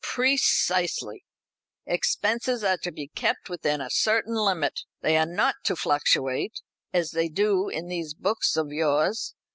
"Precisely. Expenses are to be kept within a certain limit. They are not to fluctuate, as they do in these books of yours.